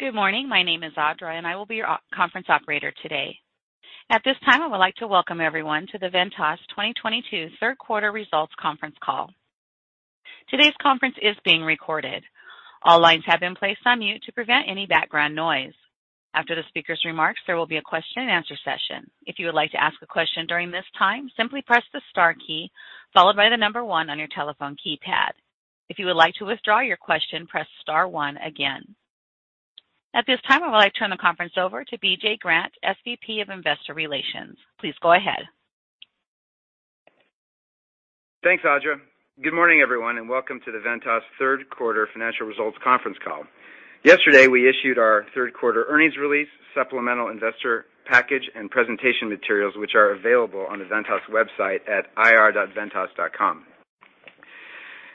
Good morning. My name is Audra, and I will be your conference operator today. At this time, I would like to welcome everyone to the Ventas 2022 third quarter results conference call. Today's conference is being recorded. All lines have been placed on mute to prevent any background noise. After the speaker's remarks, there will be a question and answer session. If you would like to ask a question during this time, simply press the star key followed by the number 1 on your telephone keypad. If you would like to withdraw your question, press star 1 again. At this time, I would like to turn the conference over to BJ Grant, SVP of Investor Relations. Please go ahead. Thanks, Audra. Good morning, everyone, and welcome to the Ventas third quarter financial results conference call. Yesterday, we issued our third quarter earnings release, supplemental investor package, and presentation materials, which are available on the Ventas website at ir.ventas.com.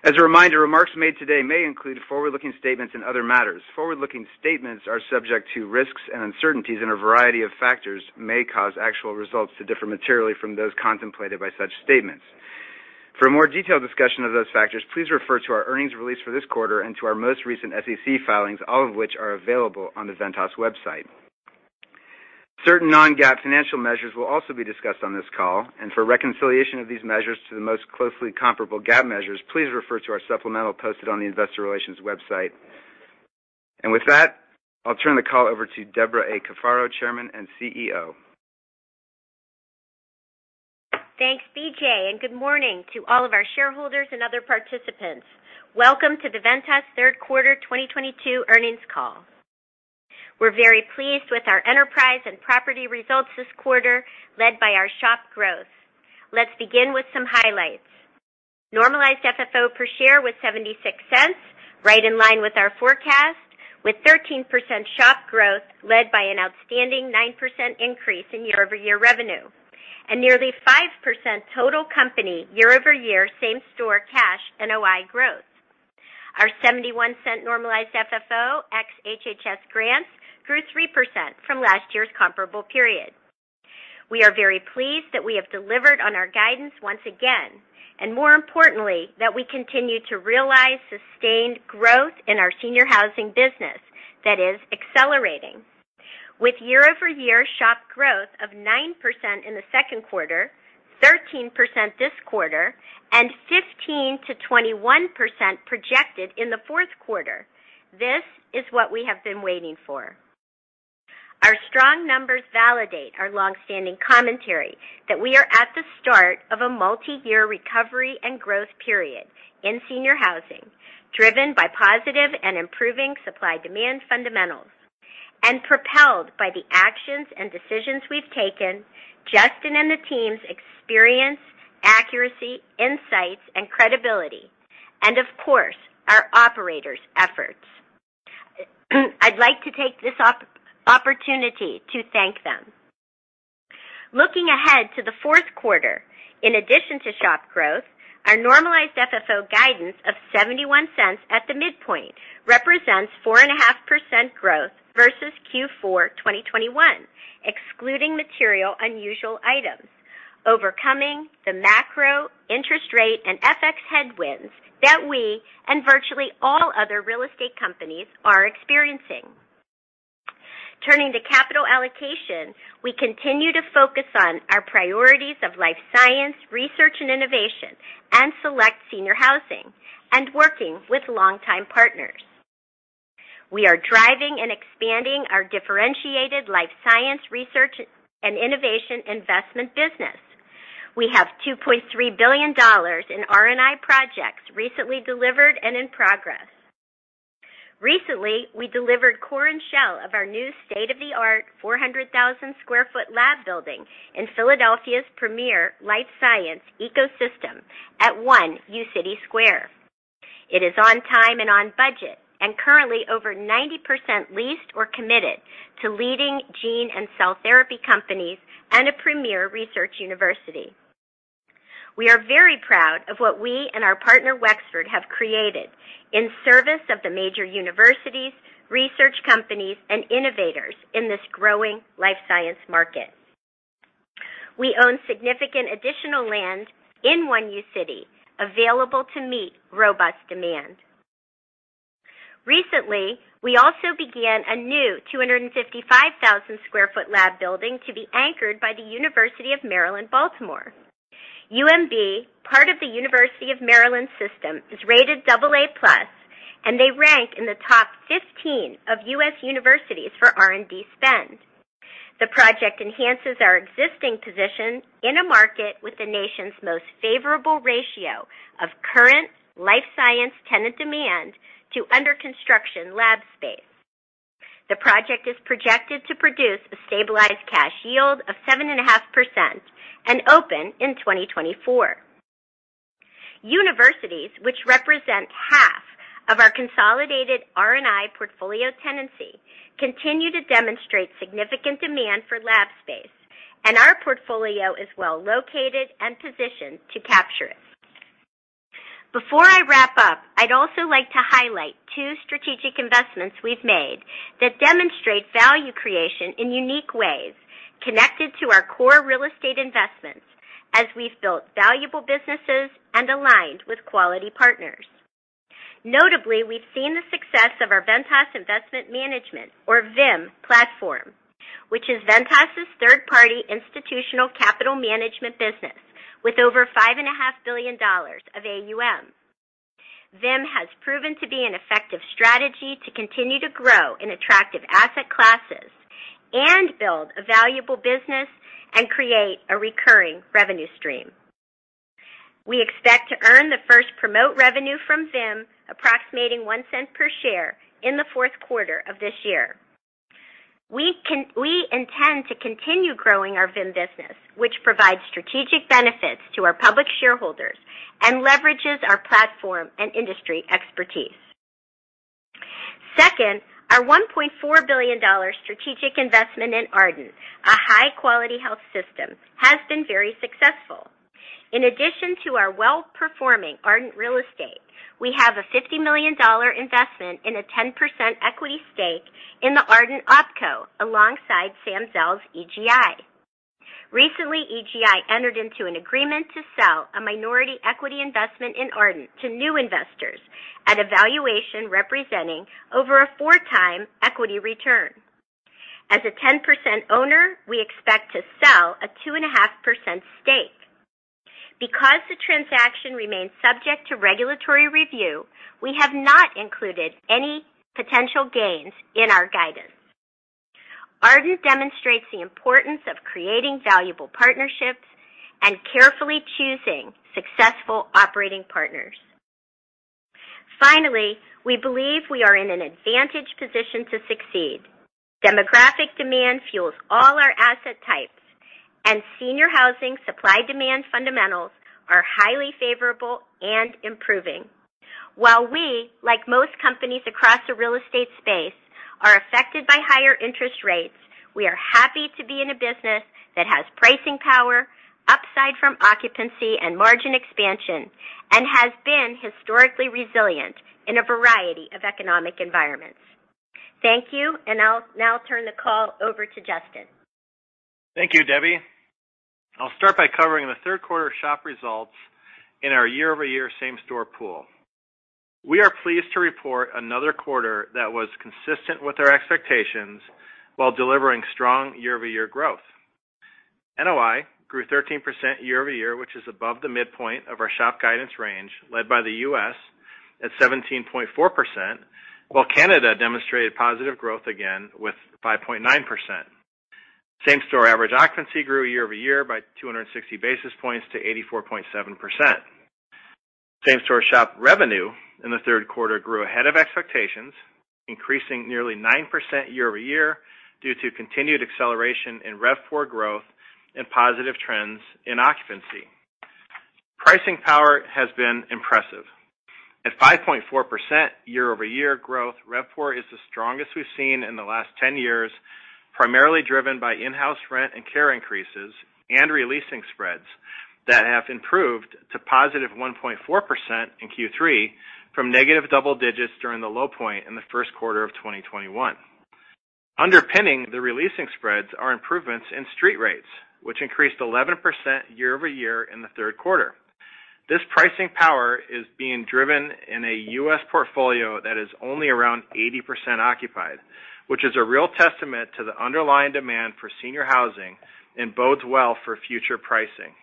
As a reminder, remarks made today may include forward-looking statements and other matters. Forward-looking statements are subject to risks and uncertainties, and a variety of factors may cause actual results to differ materially from those contemplated by such statements. For a more detailed discussion of those factors, please refer to our earnings release for this quarter and to our most recent SEC filings, all of which are available on the Ventas website. Certain non-GAAP financial measures will also be discussed on this call. For reconciliation of these measures to the most closely comparable GAAP measures, please refer to our supplemental posted on the investor relations website. With that, I'll turn the call over to Debra A. Cafaro, Chairman and CEO. Thanks, BJ, and good morning to all of our shareholders and other participants. Welcome to the Ventas third quarter 2022 earnings call. We're very pleased with our enterprise and property results this quarter, led by our SHOP growth. Let's begin with some highlights. Normalized FFO per share was $0.76, right in line with our forecast, with 13% SHOP growth led by an outstanding 9% increase in year-over-year revenue and nearly 5% total company year-over-year same store cash NOI growth. Our $0.71 normalized FFO ex HHS grants grew 3% from last year's comparable period. We are very pleased that we have delivered on our guidance once again, and more importantly, that we continue to realize sustained growth in our senior housing business that is accelerating. With year-over-year SHOP growth of 9% in the second quarter, 13% this quarter, and 15%-21% projected in the fourth quarter, this is what we have been waiting for. Our strong numbers validate our long-standing commentary that we are at the start of a multiyear recovery and growth period in senior housing, driven by positive and improving supply-demand fundamentals, and propelled by the actions and decisions we've taken, Justin and the team's experience, accuracy, insights, and credibility, and of course, our operators' efforts. I'd like to take this opportunity to thank them. Looking ahead to the fourth quarter, in addition to SHOP growth, our normalized FFO guidance of $0.71 at the midpoint represents 4.5% growth versus Q4 2021, excluding material unusual items, overcoming the macro, interest rate, and FX headwinds that we and virtually all other real estate companies are experiencing. Turning to capital allocation, we continue to focus on our priorities of life science, research and innovation, and select senior housing and working with longtime partners. We are driving and expanding our differentiated life science, research, and innovation investment business. We have $2.3 billion in R&I projects recently delivered and in progress. Recently, we delivered core and shell of our new state-of-the-art 400,000 sq ft lab building in Philadelphia's premier life science ecosystem at One uCity Square. It is on time and on budget and currently over 90% leased or committed to leading gene and cell therapy companies and a premier research university. We are very proud of what we and our partner, Wexford, have created in service of the major universities, research companies, and innovators in this growing life science market. We own significant additional land in One UCity available to meet robust demand. Recently, we also began a new 255,000 sq ft lab building to be anchored by the University of Maryland, Baltimore. UMB, part of the University of Maryland system, is rated AA+, and they rank in the top 15 of U.S. universities for R&D spend. The project enhances our existing position in a market with the nation's most favorable ratio of current life science tenant demand to under construction lab space. The project is projected to produce a stabilized cash yield of 7.5% and open in 2024. Universities, which represent half of our consolidated R&I portfolio tenancy, continue to demonstrate significant demand for lab space, and our portfolio is well located and positioned to capture it. Before I wrap up, I'd also like to highlight two strategic investments we've made that demonstrate value creation in unique ways connected to our core real estate investments. As we've built valuable businesses and aligned with quality partners. Notably, we've seen the success of our Ventas Investment Management, or VIM platform, which is Ventas's third-party institutional capital management business with over $5.5 billion of AUM. VIM has proven to be an effective strategy to continue to grow in attractive asset classes and build a valuable business and create a recurring revenue stream. We expect to earn the first promote revenue from VIM, approximating $0.01 per share in the fourth quarter of this year. We intend to continue growing our VIM business, which provides strategic benefits to our public shareholders and leverages our platform and industry expertise. Second, our $1.4 billion strategic investment in Ardent, a high-quality health system, has been very successful. In addition to our well-performing Ardent Real Estate, we have a $50 million investment in a 10% equity stake in the Ardent OpCo alongside Sam Zell's EGI. Recently, EGI entered into an agreement to sell a minority equity investment in Ardent to new investors at a valuation representing over a 4x equity return. As a 10% owner, we expect to sell a 2.5% stake. Because the transaction remains subject to regulatory review, we have not included any potential gains in our guidance. Ardent demonstrates the importance of creating valuable partnerships and carefully choosing successful operating partners. Finally, we believe we are in an advantageous position to succeed. Demographic demand fuels all our asset types, and senior housing supply-demand fundamentals are highly favorable and improving. While we, like most companies across the real estate space, are affected by higher interest rates, we are happy to be in a business that has pricing power, upside from occupancy and margin expansion, and has been historically resilient in a variety of economic environments. Thank you, and I'll now turn the call over to Justin. Thank you, Debbie. I'll start by covering the third quarter SHOP results in our year-over-year same store pool. We are pleased to report another quarter that was consistent with our expectations while delivering strong year-over-year growth. NOI grew 13% year-over-year, which is above the midpoint of our SHOP guidance range, led by the U.S. at 17.4%, while Canada demonstrated positive growth again with 5.9%. Same store average occupancy grew year-over-year by 260 basis points to 84.7%. Same store SHOP revenue in the third quarter grew ahead of expectations, increasing nearly 9% year-over-year due to continued acceleration in RevPOR growth and positive trends in occupancy. Pricing power has been impressive. At 5.4% year-over-year growth, RevPOR is the strongest we've seen in the last 10 years, primarily driven by in-house rent and care increases and re-leasing spreads that have improved to positive 1.4% in Q3 from negative double digits during the low point in the first quarter of 2021. Underpinning the re-leasing spreads are improvements in street rates, which increased 11% year-over-year in the third quarter. This pricing power is being driven in a U.S. portfolio that is only around 80% occupied, which is a real testament to the underlying demand for senior housing and bodes well for future pricing.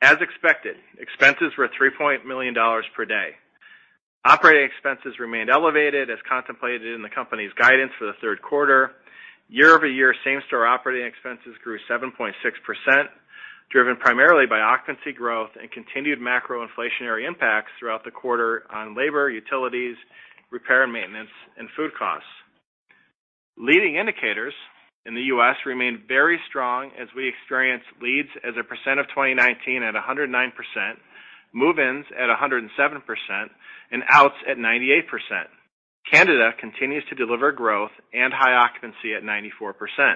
As expected, expenses were $3.1 million per day. Operating expenses remained elevated as contemplated in the company's guidance for the third quarter. Year-over-year same-store operating expenses grew 7.6%, driven primarily by occupancy growth and continued macro inflationary impacts throughout the quarter on labor, utilities, repair, maintenance, and food costs. Leading indicators in the U.S. remained very strong as we experienced leads as a percent of 2019 at 109%, move-ins at 107%, and outs at 98%. Canada continues to deliver growth and high occupancy at 94%.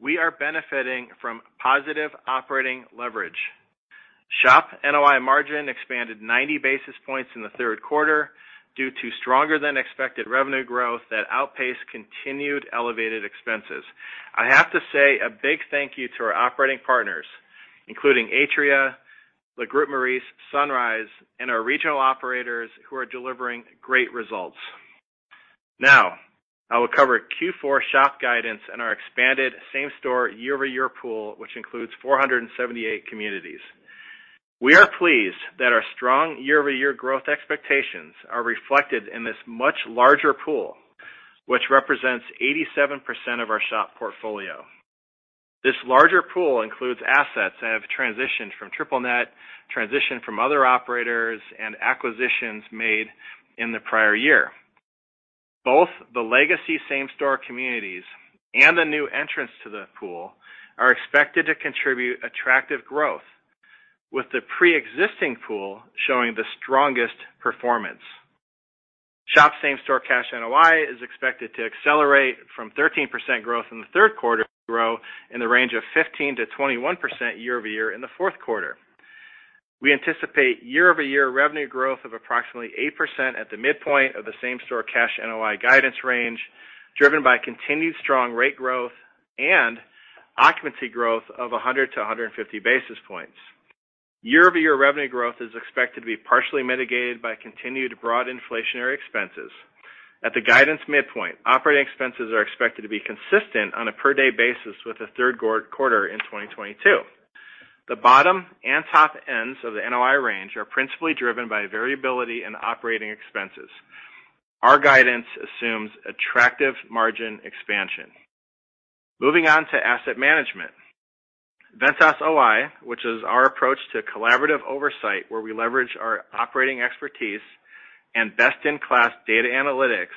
We are benefiting from positive operating leverage. SHOP NOI margin expanded 90 basis points in the third quarter due to stronger than expected revenue growth that outpaced continued elevated expenses. I have to say a big thank you to our operating partners, including Atria, Le Groupe Maurice, Sunrise, and our regional operators who are delivering great results. Now, I will cover Q4 SHOP guidance and our expanded same-store year-over-year pool, which includes 478 communities. We are pleased that our strong year-over-year growth expectations are reflected in this much larger pool, which represents 87% of our SHOP portfolio. This larger pool includes assets that have transitioned from triple net, transitioned from other operators, and acquisitions made in the prior year. Both the legacy same store communities and the new entrants to the pool are expected to contribute attractive growth, with the preexisting pool showing the strongest performance. SHOP same-store cash NOI is expected to accelerate from 13% growth in the third quarter to grow in the range of 15%-21% year-over-year in the fourth quarter. We anticipate year-over-year revenue growth of approximately 8% at the midpoint of the same-store cash NOI guidance range, driven by continued strong rate growth and occupancy growth of 100 to 150 basis points. Year-over-year revenue growth is expected to be partially mitigated by continued broad inflationary expenses. At the guidance midpoint, operating expenses are expected to be consistent on a per-day basis with the third quarter in 2022. The bottom and top ends of the NOI range are principally driven by variability in operating expenses. Our guidance assumes attractive margin expansion. Moving on to asset management. Ventas OI, which is our approach to collaborative oversight, where we leverage our operating expertise and best-in-class data analytics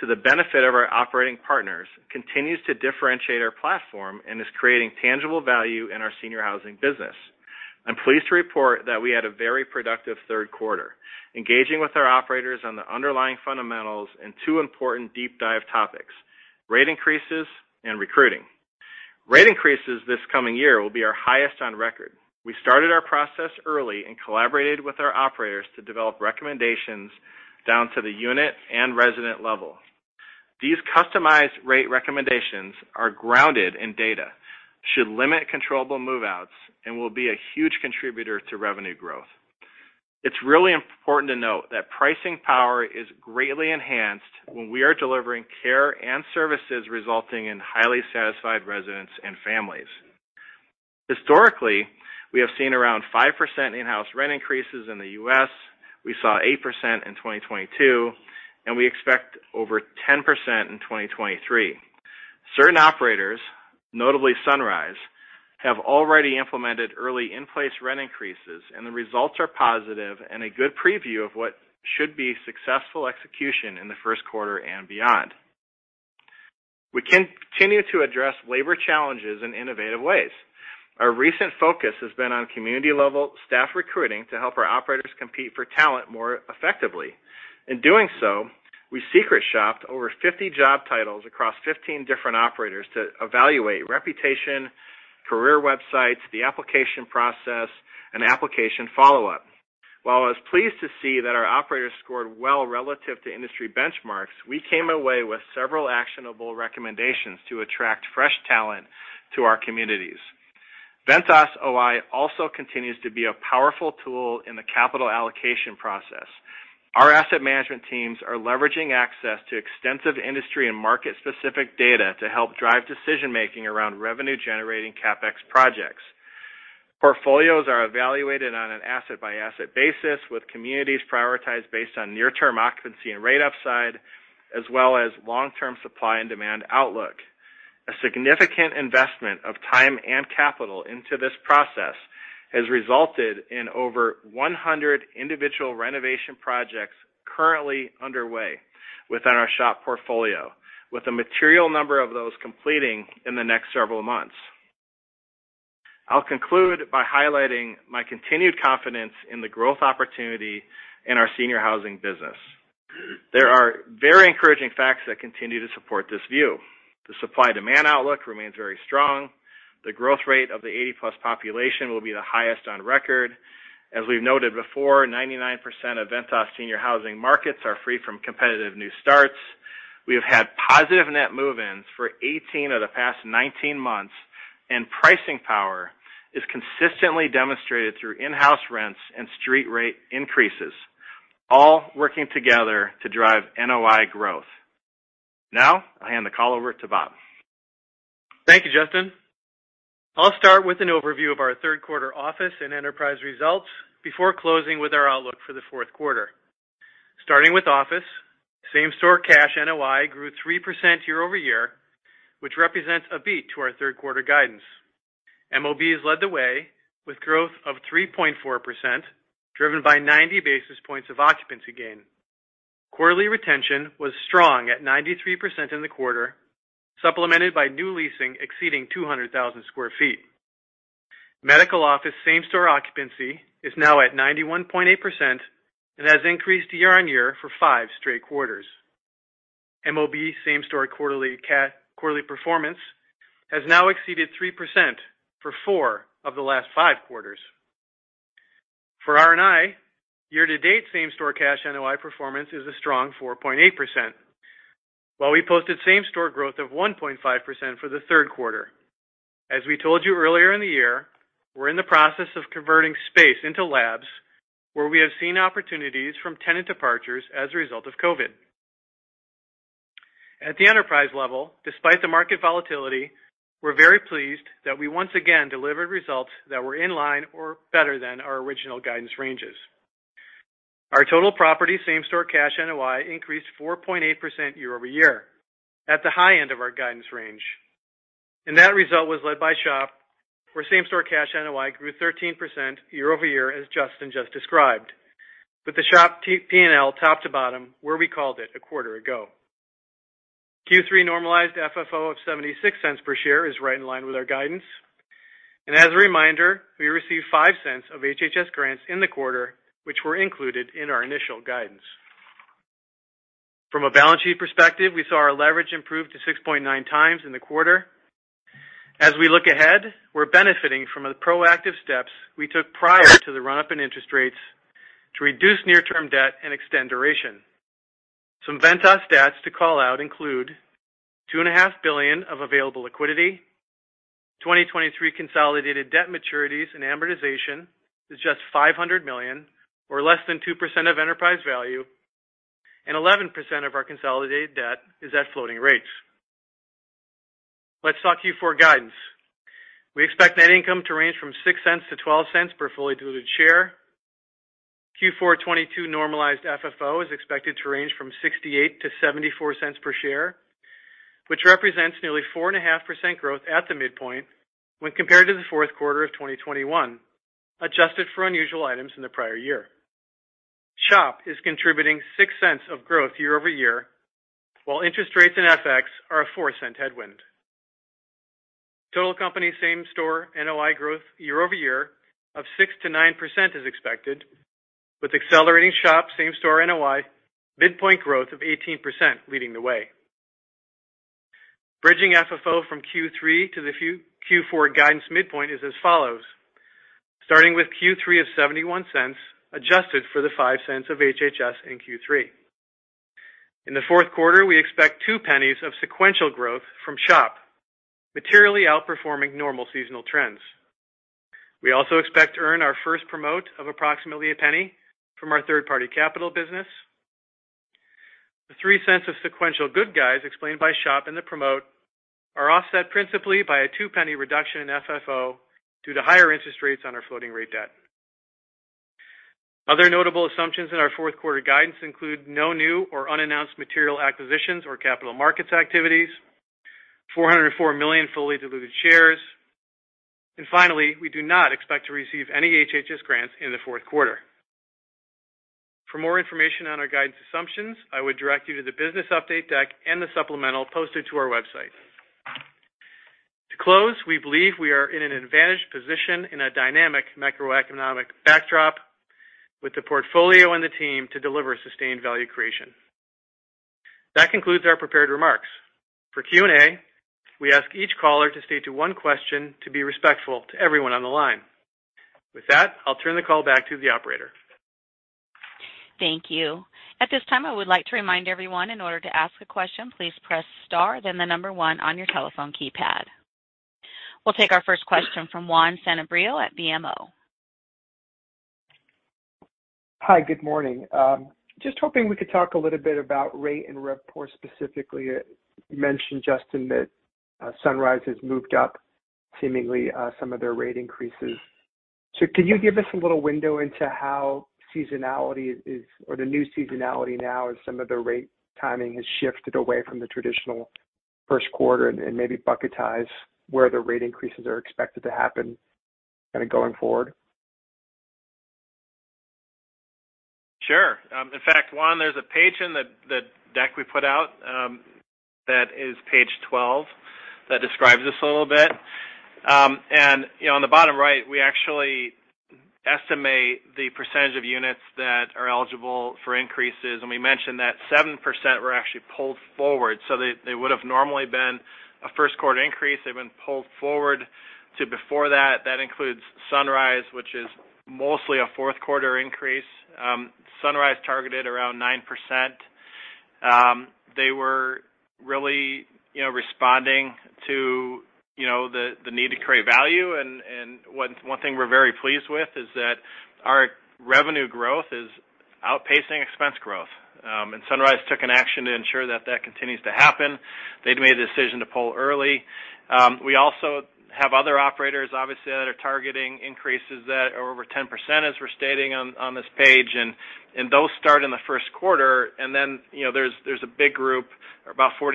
to the benefit of our operating partners, continues to differentiate our platform and is creating tangible value in our senior housing business. I'm pleased to report that we had a very productive third quarter, engaging with our operators on the underlying fundamentals in two important deep dive topics, rate increases and recruiting. Rate increases this coming year will be our highest on record. We started our process early and collaborated with our operators to develop recommendations down to the unit and resident level. These customized rate recommendations are grounded in data, should limit controllable move-outs, and will be a huge contributor to revenue growth. It's really important to note that pricing power is greatly enhanced when we are delivering care and services resulting in highly satisfied residents and families. Historically, we have seen around 5% in-house rent increases in the U.S. We saw 8% in 2022, and we expect over 10% in 2023. Certain operators, notably Sunrise, have already implemented early in-place rent increases, and the results are positive and a good preview of what should be successful execution in the first quarter and beyond. We continue to address labor challenges in innovative ways. Our recent focus has been on community-level staff recruiting to help our operators compete for talent more effectively. In doing so, we secret shopped over 50 job titles across 15 different operators to evaluate reputation, career websites, the application process, and application follow-up. While I was pleased to see that our operators scored well relative to industry benchmarks, we came away with several actionable recommendations to attract fresh talent to our communities. Ventas OI also continues to be a powerful tool in the capital allocation process. Our asset management teams are leveraging access to extensive industry and market-specific data to help drive decision-making around revenue-generating CapEx projects. Portfolios are evaluated on an asset-by-asset basis, with communities prioritized based on near-term occupancy and rate upside, as well as long-term supply and demand outlook. A significant investment of time and capital into this process has resulted in over 100 individual renovation projects currently underway within our SHOP portfolio, with a material number of those completing in the next several months. I'll conclude by highlighting my continued confidence in the growth opportunity in our senior housing business. There are very encouraging facts that continue to support this view. The supply-demand outlook remains very strong. The growth rate of the 80-plus population will be the highest on record. As we've noted before, 99% of Ventas senior housing markets are free from competitive new starts. We have had positive net move-ins for 18 of the past 19 months, and pricing power is consistently demonstrated through in-house rents and street rate increases, all working together to drive NOI growth. Now, I hand the call over to Bob. Thank you, Justin. I'll start with an overview of our third quarter office and enterprise results before closing with our outlook for the fourth quarter. Starting with office, same-store cash NOI grew 3% year-over-year, which represents a beat to our third quarter guidance. MOB has led the way with growth of 3.4%, driven by 90 basis points of occupancy gain. Quarterly retention was strong at 93% in the quarter, supplemented by new leasing exceeding 200,000 sq ft. Medical office same-store occupancy is now at 91.8% and has increased year-over-year for 5 straight quarters. MOB same-store quarterly performance has now exceeded 3% for 4 of the last 5 quarters. For R&I, year-to-date same-store cash NOI performance is a strong 4.8%, while we posted same-store growth of 1.5% for the third quarter. As we told you earlier in the year, we're in the process of converting space into labs where we have seen opportunities from tenant departures as a result of COVID. At the enterprise level, despite the market volatility, we're very pleased that we once again delivered results that were in line or better than our original guidance ranges. Our total property same-store cash NOI increased 4.8% year-over-year at the high end of our guidance range. That result was led by SHOP, where same-store cash NOI grew 13% year-over-year, as Justin just described, with the SHOP P&L top to bottom where we called it a quarter ago. Q3 normalized FFO of $0.76 per share is right in line with our guidance. As a reminder, we received $0.05 of HHS grants in the quarter, which were included in our initial guidance. From a balance sheet perspective, we saw our leverage improve to 6.9x in the quarter. As we look ahead, we're benefiting from the proactive steps we took prior to the run-up in interest rates to reduce near-term debt and extend duration. Some Ventas stats to call out include $2.5 billion of available liquidity, 2023 consolidated debt maturities and amortization is just $500 million or less than 2% of enterprise value, and 11% of our consolidated debt is at floating rates. Let's talk Q4 guidance. We expect net income to range from $0.06 to $0.12 per fully diluted share. Q4 2022 normalized FFO is expected to range from $0.68-$0.74 per share, which represents nearly 4.5% growth at the midpoint when compared to the fourth quarter of 2021, adjusted for unusual items in the prior year. SHOP is contributing $0.06 of growth year-over-year, while interest rates and FX are a $0.04 headwind. Total company same-store NOI growth year-over-year of 6%-9% is expected, with accelerating SHOP same-store NOI midpoint growth of 18% leading the way. Bridging FFO from Q3 to the Q4 guidance midpoint is as follows. Starting with Q3 of $0.71, adjusted for the $0.05 of HHS in Q3. In the fourth quarter, we expect 2 pennies of sequential growth from SHOP, materially outperforming normal seasonal trends. We also expect to earn our first promote of approximately $0.01 from our third-party capital business. The $0.03 of sequential goodwill explained by SHOP and the promote are offset principally by a $0.02 reduction in FFO due to higher interest rates on our floating rate debt. Other notable assumptions in our fourth quarter guidance include no new or unannounced material acquisitions or capital markets activities, 404 million fully diluted shares. Finally, we do not expect to receive any HHS grants in the fourth quarter. For more information on our guidance assumptions, I would direct you to the business update deck and the supplemental posted to our website. To close, we believe we are in an advantaged position in a dynamic macroeconomic backdrop with the portfolio and the team to deliver sustained value creation. That concludes our prepared remarks. For Q&A, we ask each caller to stay to one question to be respectful to everyone on the line. With that, I'll turn the call back to the operator. Thank you. At this time, I would like to remind everyone in order to ask a question, please press star, then the number one on your telephone keypad. We'll take our first question from Juan Sanabria at BMO. Hi, good morning. Just hoping we could talk a little bit about rate and RevPAR specifically. You mentioned, Justin, that Sunrise has moved up seemingly some of their rate increases. Can you give us a little window into how seasonality or the new seasonality now as some of the rate timing has shifted away from the traditional first quarter and maybe bucketize where the rate increases are expected to happen kinda going forward? Sure. In fact, Juan, there's a page in the deck we put out that is page 12 that describes this a little bit. You know, on the bottom right, we actually estimate the percentage of units that are eligible for increases. We mentioned that 7% were actually pulled forward. They would have normally been a first quarter increase. They've been pulled forward to before that. That includes Sunrise, which is mostly a fourth quarter increase. Sunrise targeted around 9%. They were really, you know, responding to the need to create value. One thing we're very pleased with is that our revenue growth is outpacing expense growth. Sunrise took an action to ensure that that continues to happen. They'd made the decision to pull early. We also have other operators, obviously, that are targeting increases that are over 10%, as we're stating on this page. Those start in the first quarter. Then, you know, there's a big group, about 42%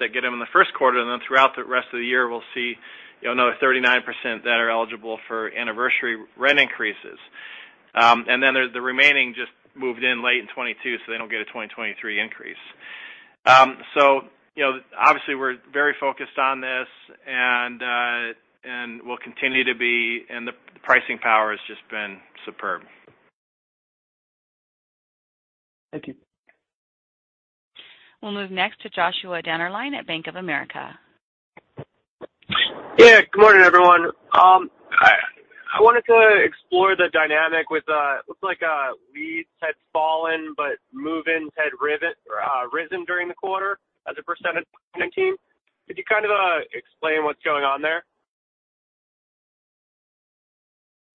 that get them in the first quarter. Then throughout the rest of the year, we'll see, you know, another 39% that are eligible for anniversary rent increases. Then there's the remaining just moved in late in 2022, so they don't get a 2023 increase. You know, obviously, we're very focused on this and we'll continue to be. The pricing power has just been superb. Thank you. We'll move next to Joshua Dennerlein at Bank of America. Good morning, everyone. I wanted to explore the dynamic with it looks like leads had fallen, but move-ins had risen during the quarter as a percentage of 2019. Could you kind of explain what's going on there?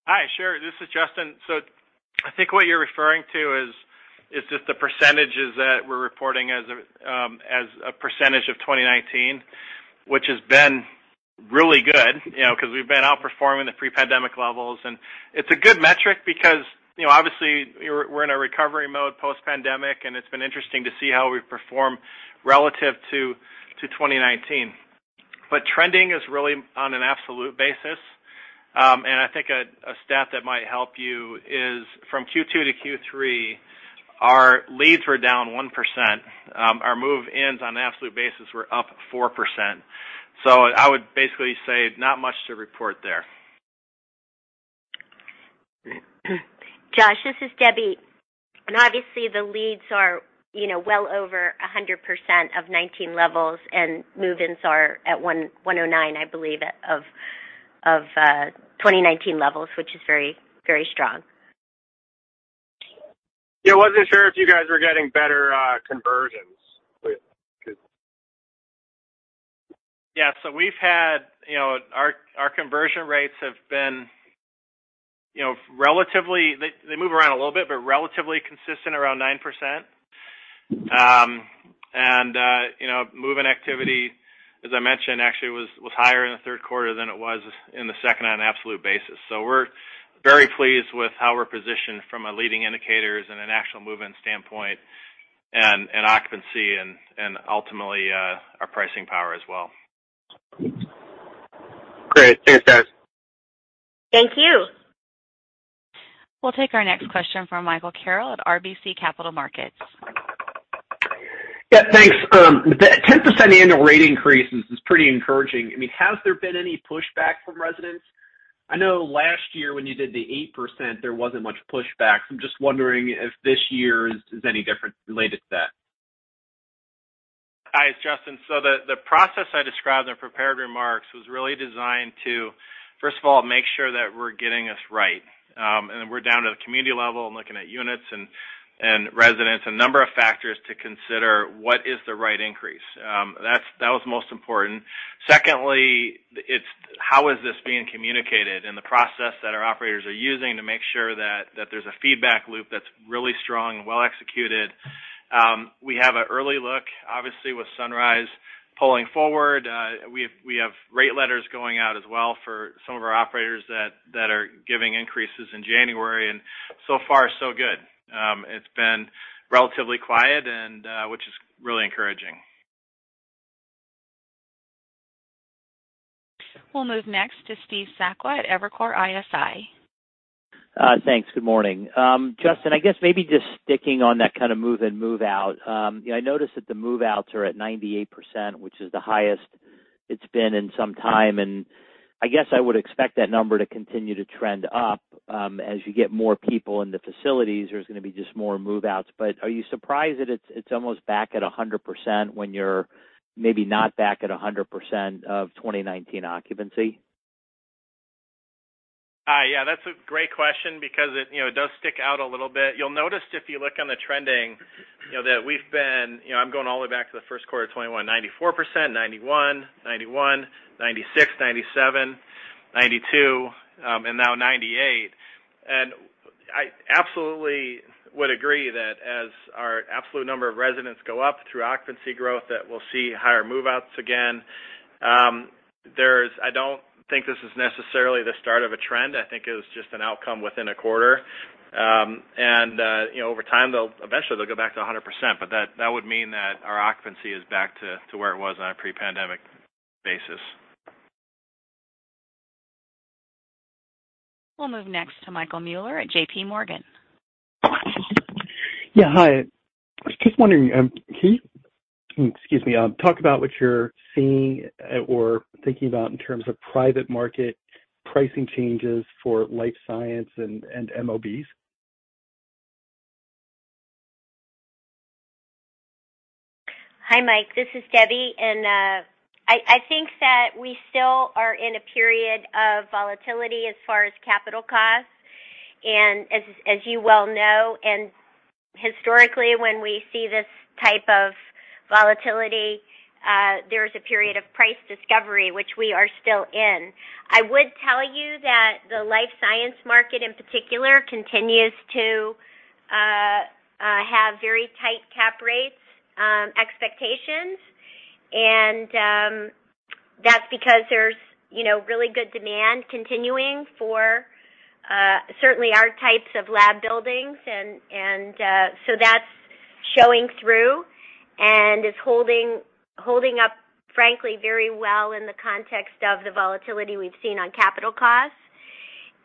Hi. Sure. This is Justin. I think what you're referring to is just the percentages that we're reporting as a percentage of 2019, which has been really good, you know, because we've been outperforming the pre-pandemic levels. It's a good metric because, you know, obviously we're in a recovery mode post-pandemic, and it's been interesting to see how we've performed relative to 2019. Trending is really on an absolute basis. I think a stat that might help you is from Q2 to Q3, our leads were down 1%. Our move-ins on an absolute basis were up 4%. I would basically say not much to report there. Joshua, this is Debbie. Obviously the leads are, you know, well over 100% of 2019 levels, and move-ins are at 109, I believe, of 2019 levels, which is very, very strong. Yeah. Wasn't sure if you guys were getting better conversions. We've had, you know, our conversion rates have been, you know, relatively. They move around a little bit, but relatively consistent around 9%. And, you know, move-in activity, as I mentioned, actually was higher in the third quarter than it was in the second on an absolute basis. We're very pleased with how we're positioned from a leading indicators and an actual move-in standpoint and occupancy and ultimately our pricing power as well. Great. Thanks, guys. Thank you. We'll take our next question from Michael Carroll at RBC Capital Markets. Yeah, thanks. The 10% annual rate increase is pretty encouraging. I mean, has there been any pushback from residents? I know last year when you did the 8%, there wasn't much pushback. I'm just wondering if this year is any different related to that. Hi, it's Justin. The process I described in the prepared remarks was really designed to, first of all, make sure that we're getting this right. We're down to the community level and looking at units and residents, a number of factors to consider what is the right increase. That was most important. Secondly, it's how this is being communicated, and the process that our operators are using to make sure that there's a feedback loop that's really strong and well executed. We have an early look, obviously, with Sunrise pulling forward. We have rate letters going out as well for some of our operators that are giving increases in January. So far, so good. It's been relatively quiet, which is really encouraging. We'll move next to Steve Sakwa at Evercore ISI. Thanks. Good morning. Justin, I guess maybe just sticking on that kind of move in, move out. You know, I noticed that the move-outs are at 98%, which is the highest it's been in some time. I guess I would expect that number to continue to trend up, as you get more people in the facilities, there's gonna be just more move-outs. Are you surprised that it's almost back at 100% when you're maybe not back at 100% of 2019 occupancy? Yeah. That's a great question because it, you know, it does stick out a little bit. You'll notice if you look on the trending, you know, that we've been. You know, I'm going all the way back to the first quarter of 2021, 94%, 91%, 96%, 97%, 92%, and now 98%. I absolutely would agree that as our absolute number of residents go up through occupancy growth, that we'll see higher move-outs again. There's I don't think this is necessarily the start of a trend. I think it is just an outcome within a quarter. You know, over time, they'll eventually go back to 100%, but that would mean that our occupancy is back to where it was on a pre-pandemic basis. We'll move next to Michael Mueller at J.P. Morgan. Yeah, hi. Just wondering, can you, excuse me, talk about what you're seeing or thinking about in terms of private market pricing changes for life science and MOBs? Hi, Mike, this is Debbie. I think that we still are in a period of volatility as far as capital costs. As you well know, historically when we see this type of volatility, there is a period of price discovery, which we are still in. I would tell you that the life science market in particular continues to have very tight cap rates expectations. That's because there's you know really good demand continuing for certainly our types of lab buildings. So that's showing through and is holding up frankly very well in the context of the volatility we've seen on capital costs.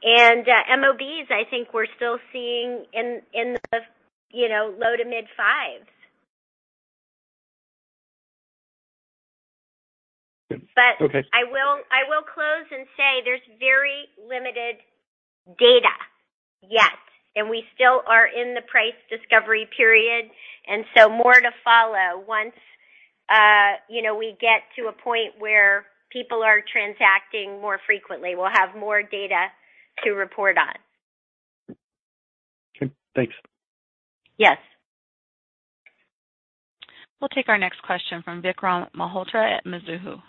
MOBs, I think we're still seeing in the you know low to mid fives. Good. Okay. I will close and say there's very limited data yet, and we still are in the price discovery period. More to follow once, you know, we get to a point where people are transacting more frequently, we'll have more data to report on. Okay, thanks. Yes. We'll take our next question from Vikram Malhotra at Mizuho.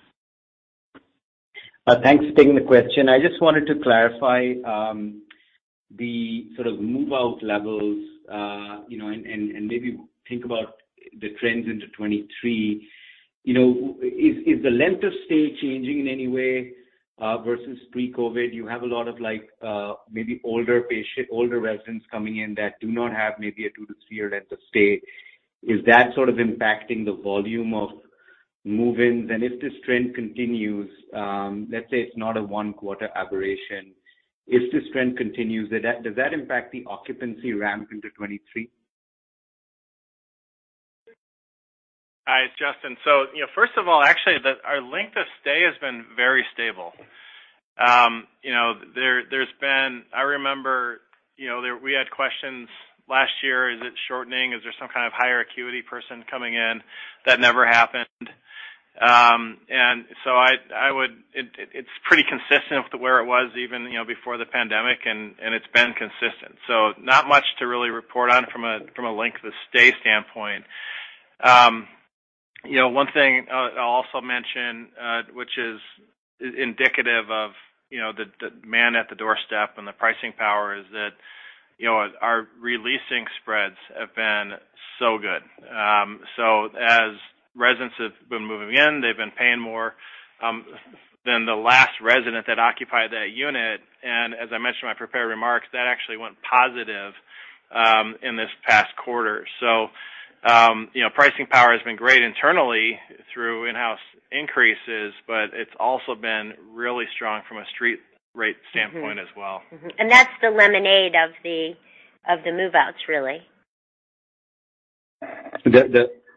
Thanks for taking the question. I just wanted to clarify the sort of move-out levels, you know, and maybe think about the trends into 2023. You know, is the length of stay changing in any way versus pre-COVID? You have a lot of like maybe older patient, older residents coming in that do not have maybe a 2-3-year length of stay. Is that sort of impacting the volume of move-ins? And if this trend continues, let's say it's not a one-quarter aberration. If this trend continues, does that impact the occupancy ramp into 2023? You know, first of all, actually our length of stay has been very stable. You know, there's been. I remember, you know, we had questions last year. Is it shortening? Is there some kind of higher acuity person coming in? That never happened. It's pretty consistent with where it was even, you know, before the pandemic, and it's been consistent. Not much to really report on from a length of stay standpoint. You know, one thing I'll also mention, which is indicative of, you know, the man at the doorstep and the pricing power is that, you know, our releasing spreads have been so good. As residents have been moving in, they've been paying more than the last resident that occupied that unit. As I mentioned in my prepared remarks, that actually went positive in this past quarter. You know, pricing power has been great internally through in-house increases, but it's also been really strong from a street rate standpoint as well. That's the lemonade of the move-outs, really.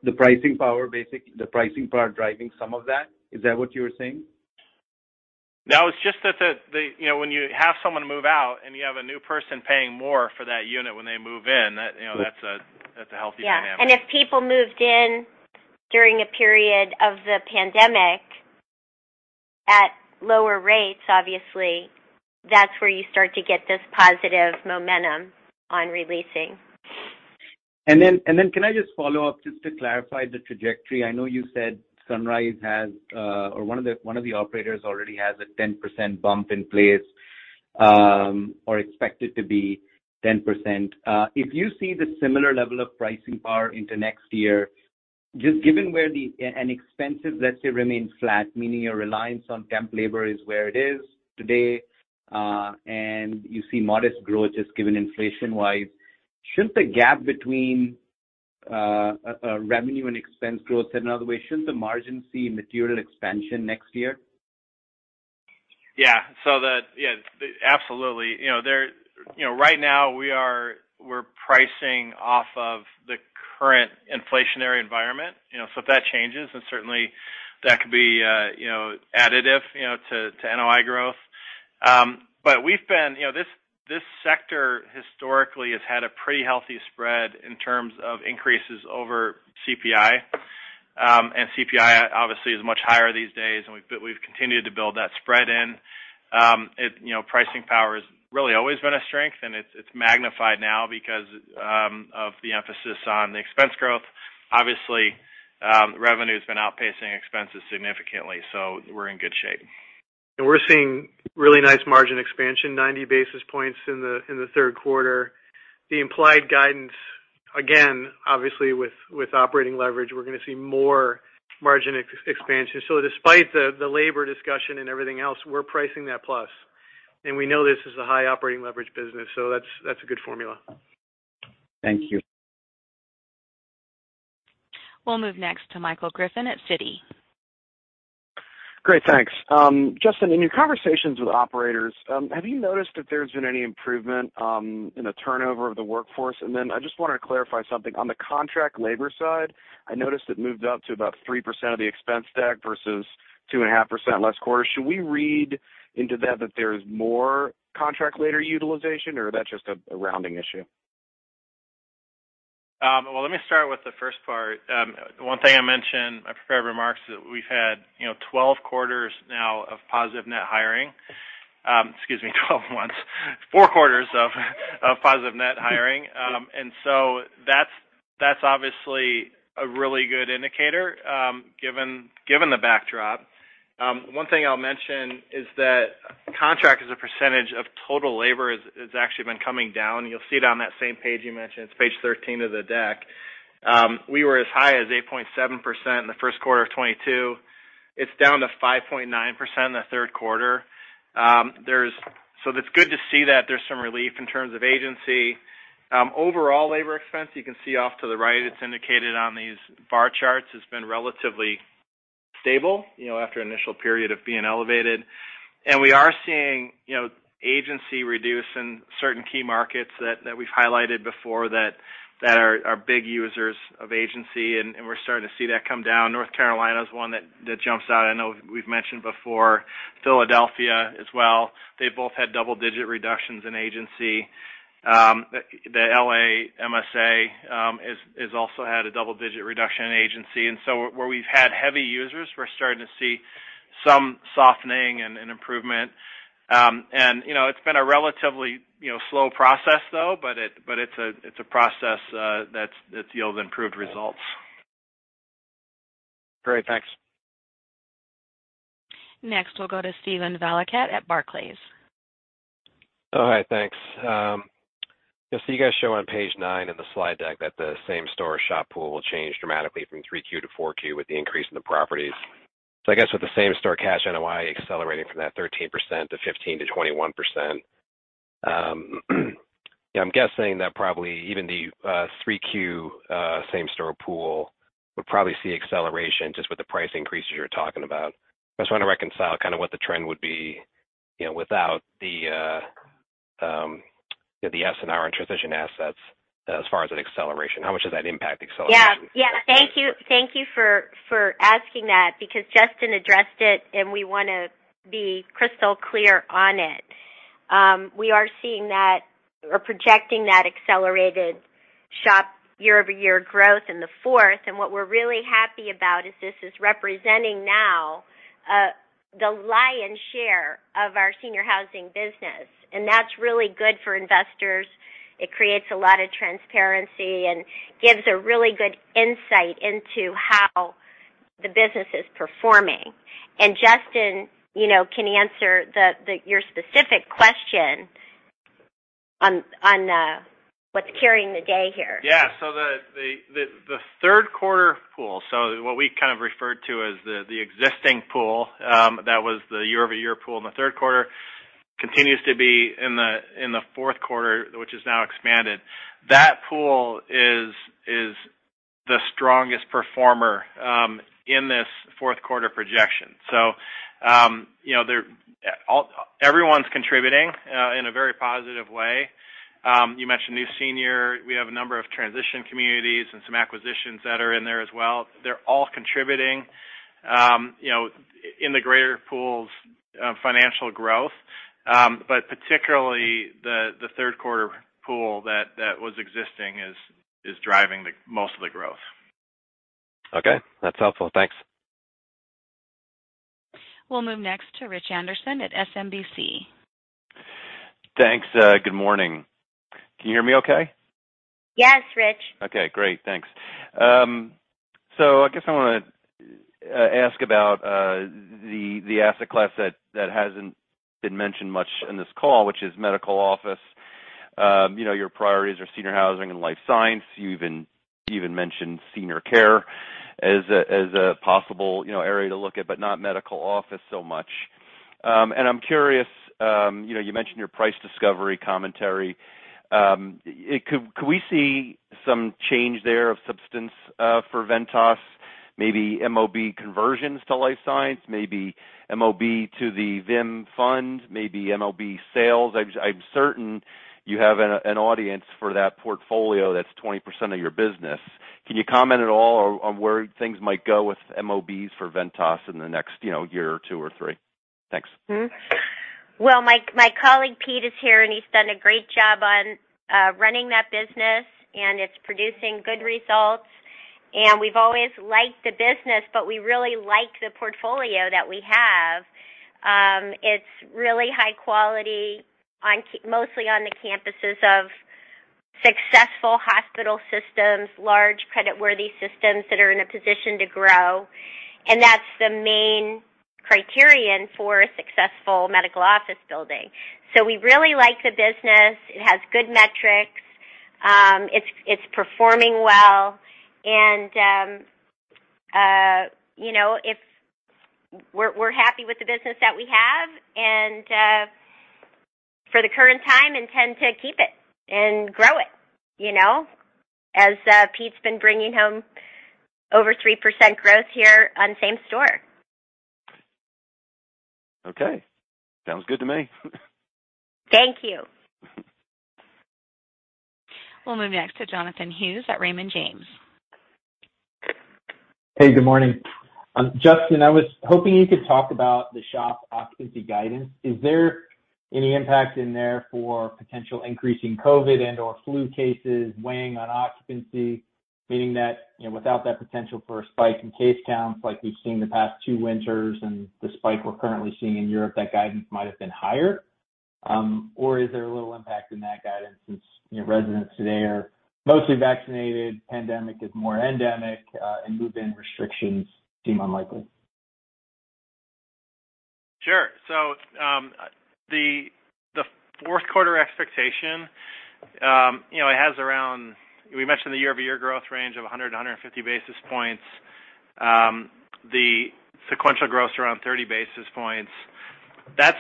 The pricing power basically driving some of that? Is that what you were saying? No, it's just that the you know, when you have someone move out and you have a new person paying more for that unit when they move in, that you know, that's a healthy dynamic. Yeah. If people moved in during a period of the pandemic at lower rates, obviously that's where you start to get this positive momentum on releasing. Can I just follow up just to clarify the trajectory? I know you said Sunrise has or one of the operators already has a 10% bump in place or expected to be 10%. If you see the similar level of pricing power into next year, just given and expenses, let's say, remain flat, meaning your reliance on temp labor is where it is today, and you see modest growth just given inflation-wise, shouldn't the gap between revenue and expense growth, said another way, shouldn't the margin see material expansion next year? Yeah. Absolutely. You know, right now we're pricing off of the current inflationary environment, you know. If that changes then certainly that could be, you know, additive, you know, to NOI growth. You know, this sector historically has had a pretty healthy spread in terms of increases over CPI. CPI obviously is much higher these days, and we've continued to build that spread in. You know, pricing power has really always been a strength, and it's magnified now because of the emphasis on the expense growth. Obviously, revenue's been outpacing expenses significantly, so we're in good shape. We're seeing really nice margin expansion, 90 basis points in the third quarter. The implied guidance, again, obviously with operating leverage, we're gonna see more margin expansion. Despite the labor discussion and everything else, we're pricing that plus, and we know this is a high operating leverage business. That's a good formula. Thank you. We'll move next to Michael Griffin at Citi. Great. Thanks. Justin, in your conversations with operators, have you noticed if there's been any improvement in the turnover of the workforce? I just wanna clarify something. On the contract labor side, I noticed it moved up to about 3% of the expense stack versus 2.5% last quarter. Should we read into that there's more contract labor utilization, or is that just a rounding issue? Well, let me start with the first part. One thing I mentioned in my prepared remarks is that we've had, you know, 12 quarters now of positive net hiring. Excuse me, 12 months. Four quarters of positive net hiring. That's obviously a really good indicator, given the backdrop. One thing I'll mention is that contract as a percentage of total labor has actually been coming down. You'll see it on that same page you mentioned. It's page 13 of the deck. We were as high as 8.7% in the first quarter of 2022. It's down to 5.9% in the third quarter. So it's good to see that there's some relief in terms of agency. Overall labor expense, you can see off to the right, it's indicated on these bar charts, has been relatively stable, you know, after an initial period of being elevated. We are seeing, you know, agency reduction in certain key markets that we've highlighted before that are big users of agency, and we're starting to see that come down. North Carolina is one that jumps out. I know we've mentioned before Philadelphia as well. They both had double-digit reductions in agency. The L.A. MSA has also had a double-digit reduction in agency. Where we've had heavy users, we're starting to see some softening and improvement. You know, it's been a relatively slow process though, but it's a process that yields improved results. Great. Thanks. Next, we'll go to Steven Valiquette at Barclays. All right. Thanks. I see you guys show on page 9 in the slide deck that the same-store SHOP pool will change dramatically from 3Q to 4Q with the increase in the properties. I guess with the same-store cash NOI accelerating from that 13% to 15%-21%, I'm guessing that probably even the 3Q same-store pool would probably see acceleration just with the price increases you're talking about. I just wanna reconcile kind of what the trend would be, you know, without the. The S&R and transition assets as far as an acceleration, how much does that impact acceleration? Yeah. Thank you for asking that because Justin addressed it, and we wanna be crystal clear on it. We are seeing that or projecting that accelerated SHOP year-over-year growth in the fourth. What we're really happy about is this is representing now the lion's share of our senior housing business, and that's really good for investors. It creates a lot of transparency and gives a really good insight into how the business is performing. Justin, you know, can answer your specific question on what's carrying the day here. Yeah. The third quarter pool, so what we kind of referred to as the existing pool, that was the year-over-year pool in the third quarter, continues to be in the fourth quarter, which is now expanded. That pool is the strongest performer in this fourth quarter projection. You know, everyone's contributing in a very positive way. You mentioned New Senior. We have a number of transition communities and some acquisitions that are in there as well. They're all contributing, you know, in the greater pools financial growth. But particularly the third quarter pool that was existing is driving the most of the growth. Okay. That's helpful. Thanks. We'll move next to Richard Anderson at SMBC. Thanks. Good morning. Can you hear me okay? Yes, Rich. Okay, great. Thanks. So I guess I wanna ask about the asset class that hasn't been mentioned much in this call, which is medical office. You know, your priorities are senior housing and life science. You even mentioned senior care as a possible, you know, area to look at, but not medical office so much. And I'm curious, you know, you mentioned your price discovery commentary. Could we see some change there of substance for Ventas, maybe MOB conversions to life science, maybe MOB to the VIM fund, maybe MOB sales? I'm certain you have an audience for that portfolio that's 20% of your business. Can you comment at all on where things might go with MOBs for Ventas in the next, you know, year or two or three? Thanks. Well, my colleague Pete is here, and he's done a great job on running that business, and it's producing good results. We've always liked the business, but we really like the portfolio that we have. It's really high quality mostly on the campuses of successful hospital systems, large credit-worthy systems that are in a position to grow, and that's the main criterion for a successful medical office building. We really like the business. It has good metrics. It's performing well. You know, if we're happy with the business that we have and for the current time, intend to keep it and grow it, you know, as Pete's been bringing home over 3% growth here on same store. Okay. Sounds good to me. Thank you. We'll move next to Jonathan Hughes at Raymond James. Hey, good morning. Justin, I was hoping you could talk about the SHOP occupancy guidance. Is there any impact in there for potential increasing COVID and/or flu cases weighing on occupancy, meaning that, you know, without that potential for a spike in case counts like we've seen the past two winters and the spike we're currently seeing in Europe, that guidance might have been higher, or is there a little impact in that guidance since, you know, residents today are mostly vaccinated, pandemic is more endemic, and move-in restrictions seem unlikely? Sure. The fourth quarter expectation, you know. We mentioned the year-over-year growth range of 100-150 basis points. The sequential growth's around 30 basis points. That's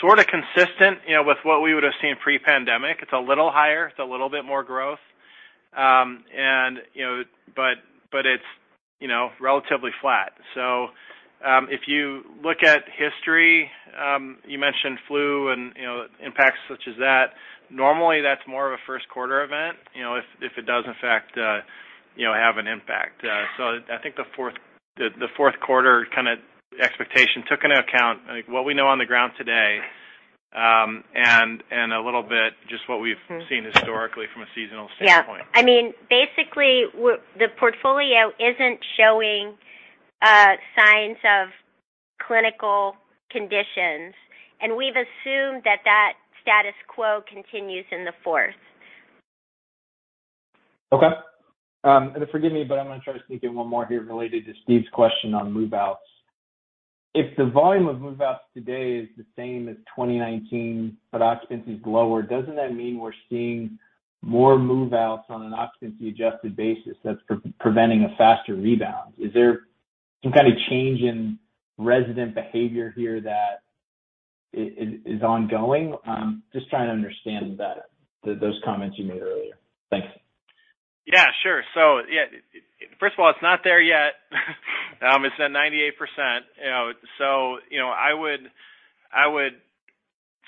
sorta consistent, you know, with what we would've seen pre-pandemic. It's a little higher. It's a little bit more growth. You know, but it's, you know, relatively flat. If you look at history, you mentioned flu and, you know, impacts such as that. Normally, that's more of a first quarter event, you know, if it does in fact, you know, have an impact. I think the fourth quarter kind of expectation took into account, like, what we know on the ground today, and a little bit just what we've seen historically from a seasonal standpoint. I mean, basically the portfolio isn't showing signs of clinical conditions, and we've assumed that status quo continues in the fourth. Okay, and forgive me, but I'm gonna try to sneak in one more here related to Steve's question on move-outs. If the volume of move-outs today is the same as 2019 but occupancy is lower, doesn't that mean we're seeing more move-outs on an occupancy-adjusted basis that's preventing a faster rebound? Is there some kind of change in resident behavior here that is ongoing? I'm just trying to understand better those comments you made earlier. Thanks. Yeah, sure. Yeah, first of all, it's not there yet. It's at 98%, you know, so, you know, I would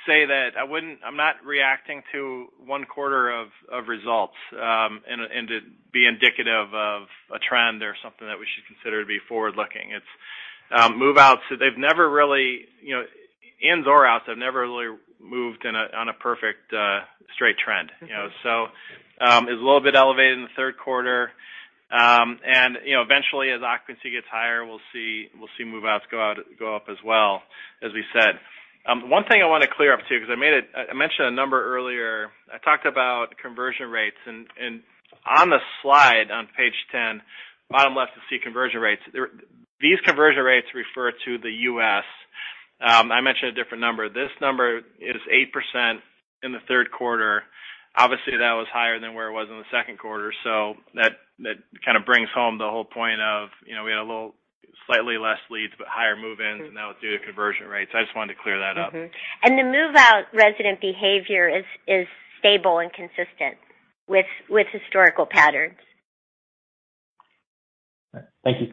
say that I'm not reacting to one quarter of results and to be indicative of a trend or something that we should consider to be forward-looking. Move-outs, they've never really, you know, ins or outs have never really moved on a perfect straight trend, you know? It's a little bit elevated in the third quarter. You know, eventually, as occupancy gets higher, we'll see move-outs go up as well, as we said. One thing I wanna clear up too, because I mentioned a number earlier. I talked about conversion rates, and on the slide on page 10, bottom left you see conversion rates. These conversion rates refer to the U.S. I mentioned a different number. This number is 8% in the third quarter. Obviously, that was higher than where it was in the second quarter. That kind of brings home the whole point of, you know, we had a little slightly less leads, but higher move-ins, and that was due to conversion rates. I just wanted to clear that up. The move-out resident behavior is stable and consistent with historical patterns. Thank you.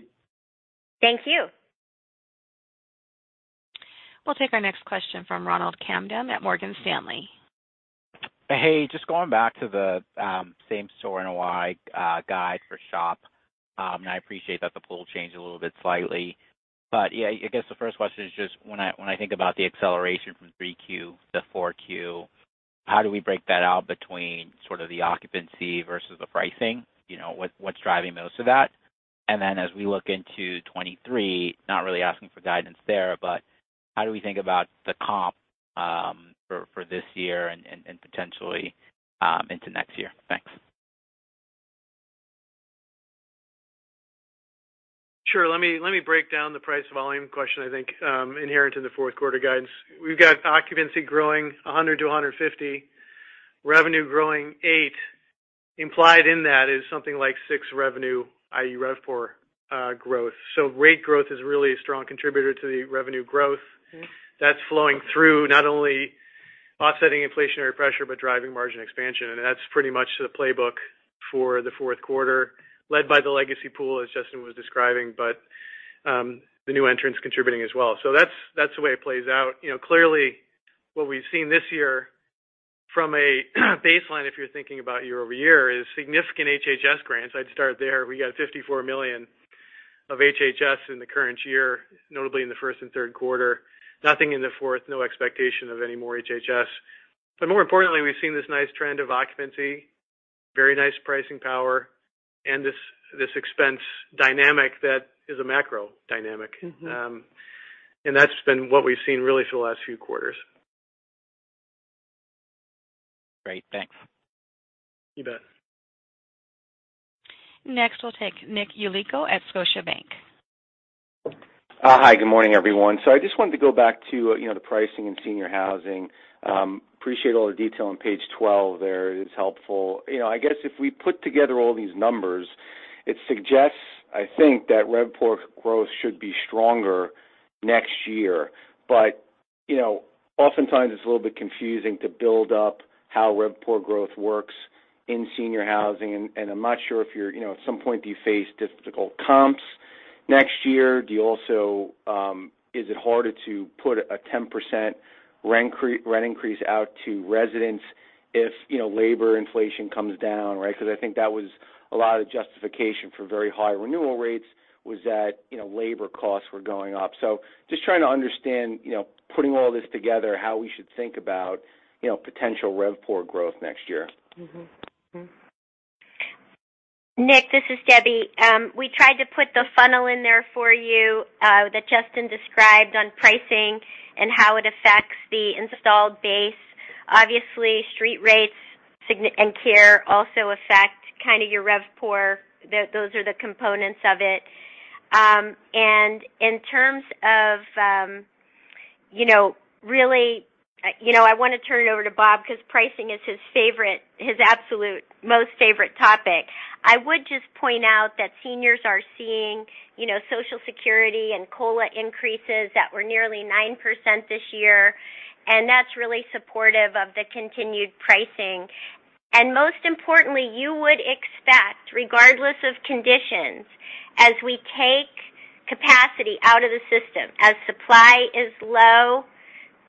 Thank you. We'll take our next question from Ronald Kamdem at Morgan Stanley. Hey, just going back to the same-store NOI guide for SHOP. I appreciate that the pool changed a little bit slightly. Yeah, I guess the first question is just when I think about the acceleration from 3Q to 4Q, how do we break that out between sort of the occupancy versus the pricing? You know, what's driving most of that? Then as we look into 2023, not really asking for guidance there, but how do we think about the comp for this year and potentially into next year? Thanks. Sure. Let me break down the price volume question I think inherent in the fourth quarter guidance. We've got occupancy growing 100-150, revenue growing 8%. Implied in that is something like 6% RevPOR growth. Rate growth is really a strong contributor to the revenue growth. That's flowing through not only offsetting inflationary pressure, but driving margin expansion. That's pretty much the playbook for the fourth quarter, led by the legacy pool, as Justin was describing, the new entrants contributing as well. That's the way it plays out. You know, clearly, what we've seen this year from a baseline, if you're thinking about year-over-year, is significant HHS grants. I'd start there. We got $54 million of HHS in the current year, notably in the first and third quarter. Nothing in the fourth, no expectation of any more HHS. More importantly, we've seen this nice trend of occupancy, very nice pricing power, and this expense dynamic that is a macro dynamic. That's been what we've seen really for the last few quarters. Great. Thanks. You bet. Next, we'll take Nicholas Yulico at Scotiabank. Hi, good morning, everyone. I just wanted to go back to, you know, the pricing in senior housing. Appreciate all the detail on page 12 there. It is helpful. You know, I guess if we put together all these numbers, it suggests, I think, that RevPOR growth should be stronger next year. You know, oftentimes it's a little bit confusing to build up how RevPOR growth works in senior housing, and I'm not sure if you're, you know, at some point, do you face difficult comps next year? Do you also, is it harder to put a 10% rent increase out to residents if, you know, labor inflation comes down, right? Because I think that was a lot of justification for very high renewal rates was that, you know, labor costs were going up. Just trying to understand, you know, putting all this together, how we should think about, you know, potential RevPOR growth next year. Nick, this is Deborah. We tried to put the funnel in there for you that Justin described on pricing and how it affects the installed base. Obviously, street rates and care also affect kind of your RevPOR. Those are the components of it. I wanna turn it over to Bob because pricing is his favorite, his absolute most favorite topic. I would just point out that seniors are seeing, you know, Social Security and COLA increases that were nearly 9% this year, and that's really supportive of the continued pricing. Most importantly, you would expect, regardless of conditions, as we take capacity out of the system, as supply is low,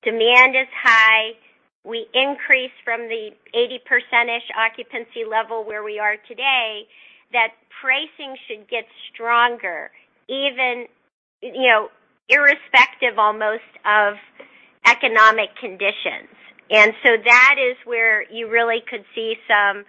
demand is high, we increase from the 80% occupancy level where we are today, that pricing should get stronger, even, you know, irrespective almost of economic conditions. So that is where you really could see some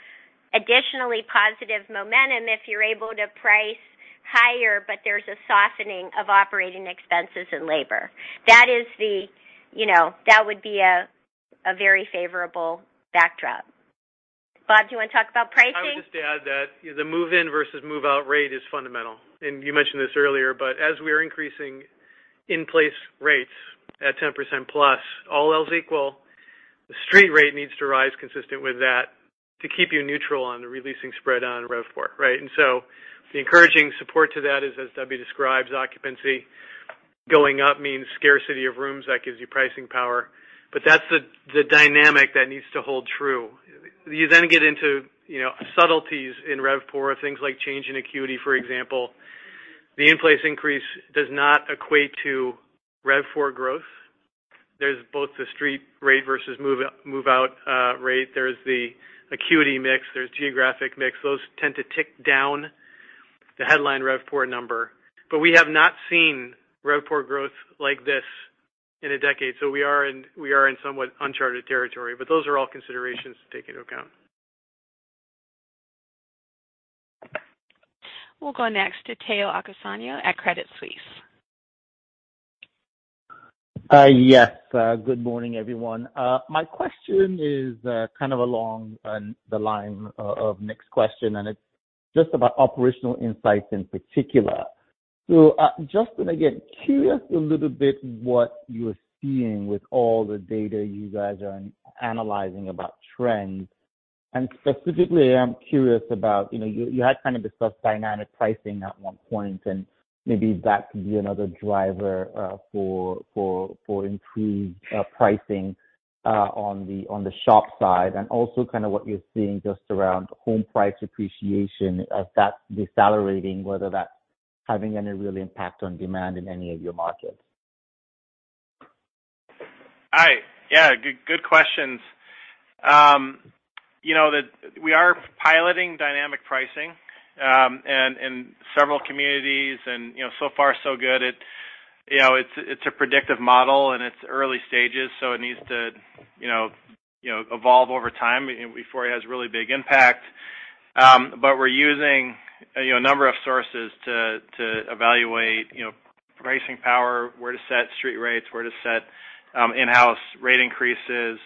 additionally positive momentum if you're able to price higher, but there's a softening of operating expenses and labor. That is the, you know, that would be a very favorable backdrop. Bob, do you wanna talk about pricing? I would just add that the move-in versus move-out rate is fundamental, and you mentioned this earlier. As we're increasing in-place rates at 10%+, all else equal, the street rate needs to rise consistent with that to keep you neutral on the releasing spread on RevPOR, right? The encouraging support to that is, as Debbie describes, occupancy Going up means scarcity of rooms, that gives you pricing power. That's the dynamic that needs to hold true. You then get into, you know, subtleties in RevPOR, things like change in acuity, for example. The in-place increase does not equate to RevPOR growth. There's both the street rate versus move-in move-out rate. There's the acuity mix, there's geographic mix. Those tend to tick down the headline RevPOR number. We have not seen RevPOR growth like this in a decade, so we are in somewhat uncharted territory. Those are all considerations to take into account. We'll go next to Tayo Okusanya at Credit Suisse. Yes. Good morning, everyone. My question is kind of along the line of Nick's question, and it's just about operational insights in particular. Justin, again, curious a little bit what you're seeing with all the data you guys are analyzing about trends. Specifically, I'm curious about, you know, you had kind of discussed dynamic pricing at one point, and maybe that could be another driver for improved pricing on the shop side. Also kind of what you're seeing just around home price appreciation, if that's decelerating, whether that's having any real impact on demand in any of your markets. All right. Yeah, good questions. We are piloting dynamic pricing and in several communities and, you know, so far so good. It's a predictive model and it's early stages, so it needs to evolve over time before it has really big impact. But we're using a number of sources to evaluate you know pricing power, where to set street rates, where to set in-house rate increases.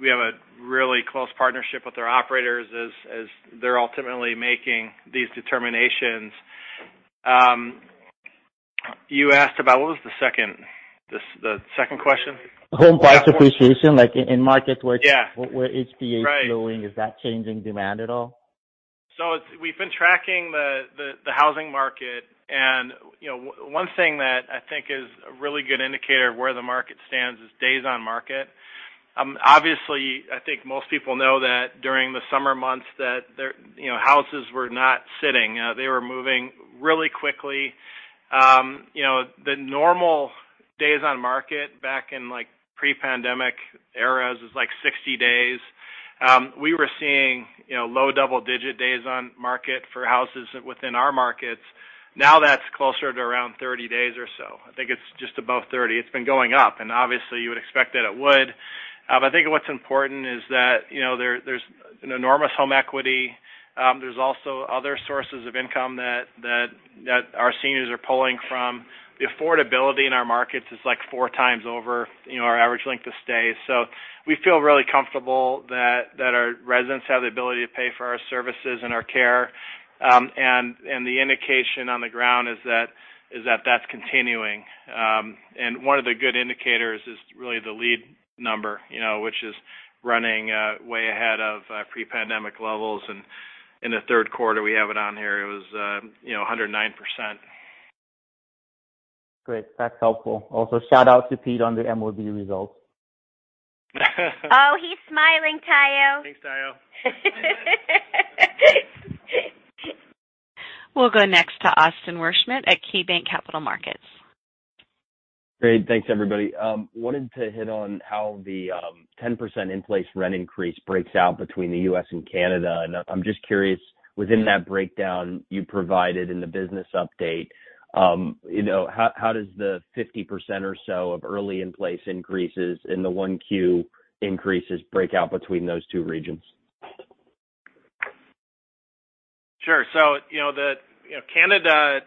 We have a really close partnership with our operators as they're ultimately making these determinations. You asked about what was the second question? Home price appreciation, like in markets where Yeah. where HPA is flowing. Right. Is that changing demand at all? We've been tracking the housing market. One thing that I think is a really good indicator of where the market stands is days on market. Obviously, I think most people know that during the summer months houses were not sitting, they were moving really quickly. The normal days on market back in, like, pre-pandemic eras is like 60 days. We were seeing low double digit days on market for houses within our markets. Now that's closer to around 30 days or so. I think it's just above 30. It's been going up, and obviously you would expect that it would. I think what's important is that there's an enormous home equity. There's also other sources of income that our seniors are pulling from. The affordability in our markets is like four times over, you know, our average length of stay. We feel really comfortable that our residents have the ability to pay for our services and our care. The indication on the ground is that that's continuing. One of the good indicators is really the lead number, you know, which is running way ahead of pre-pandemic levels. In the third quarter, we have it on here. It was, you know, 109%. Great. That's helpful. Also, shout out to Pete on the MOB results. Oh, he's smiling, Tayo. Thanks, Tayo. We'll go next to Austin Wurschmidt at KeyBanc Capital Markets. Great. Thanks, everybody. Wanted to hit on how the 10% in-place rent increase breaks out between the U.S. and Canada. I'm just curious, within that breakdown you provided in the business update, how does the 50% or so of early in-place increases and the 1Q increases break out between those two regions? Sure. You know, Canada,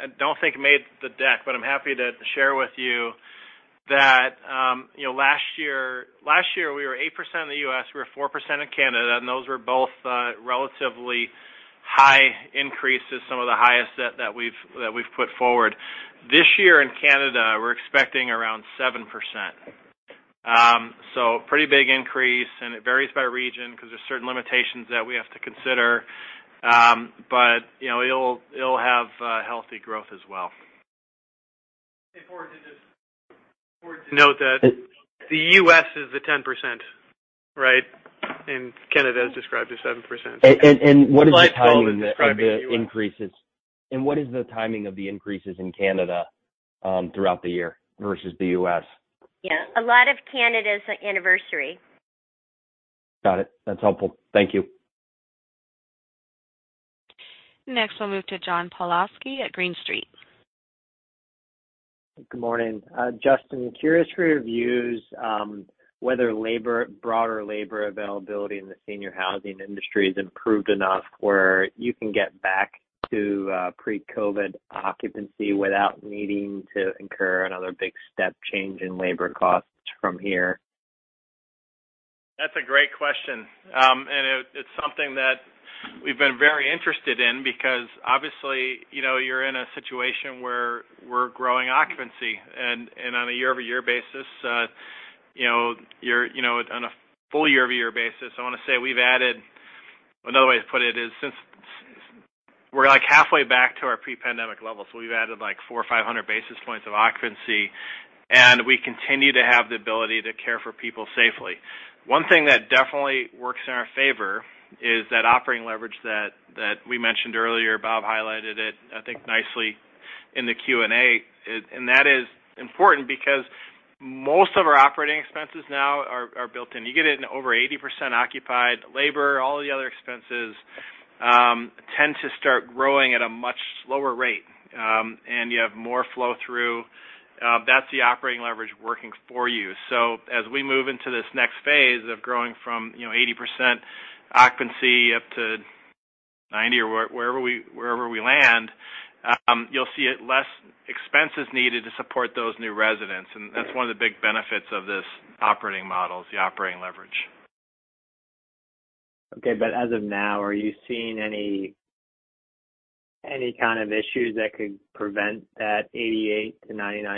I don't think made the deck, but I'm happy to share with you that, you know, last year we were 8% in the U.S., we were 4% in Canada, and those were both, relatively high increases, some of the highest that we've put forward. This year in Canada, we're expecting around 7%. Pretty big increase, and it varies by region because there's certain limitations that we have to consider. You know, it'll have healthy growth as well. Important to note that the U.S. is the 10%, right? Canada is described as 7%. What is the timing of the increases? The lifestyle is driving the U.S. What is the timing of the increases in Canada throughout the year versus the U.S.? Yeah. A lot of Canada is anniversary. Got it. That's helpful. Thank you. Next, we'll move to John Pawlowski at Green Street. Good morning. Justin, curious for your views whether labor, broader labor availability in the senior housing industry has improved enough where you can get back to pre-COVID occupancy without needing to incur another big step change in labor costs from here. That's a great question. It's something that we've been very interested in because obviously, you know, you're in a situation where we're growing occupancy. On a year-over-year basis, you know, on a full year-over-year basis, I wanna say we've added... Another way to put it is since we're like halfway back to our pre-pandemic levels. We've added like 400 or 500 basis points of occupancy, and we continue to have the ability to care for people safely. One thing that definitely works in our favor is that operating leverage that we mentioned earlier. Bob highlighted it, I think, nicely in the Q&A. That is important because most of our operating expenses now are built in. You get it in over 80% occupied labor. All the other expenses tend to start growing at a much slower rate, and you have more flow through. That's the operating leverage working for you. As we move into this next phase of growing from, you know, 80% occupancy up to 90% or wherever we land, you'll see less expenses needed to support those new residents. That's one of the big benefits of this operating model, is the operating leverage. Okay. As of now, are you seeing any kind of issues that could prevent that 88%-90%